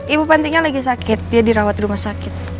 ibu pentingnya lagi sakit dia dirawat di rumah sakit